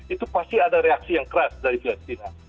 itu pasti ada reaksi yang keras dari filipina